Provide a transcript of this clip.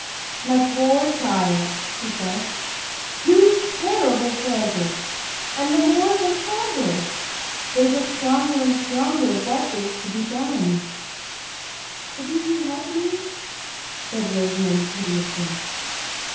"My poor child!" she said. "Two terrible failures! And the more the harder! They get stronger and stronger. What is to be done?" "Couldn't you help me?" said Rosamond piteously.